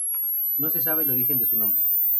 No se sabe el origen de su nombre.